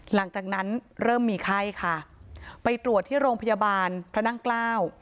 หลังจากนั้นเริ่มมีไข้ค่ะไปตรวจที่โรงพยาบาลพระนั่งเกล้า